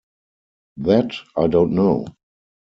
That I don’t know.